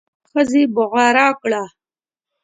ښځې بغاره کړه.